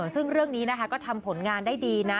ซึ่งเรื่องนี้นะคะก็ทำผลงานได้ดีนะ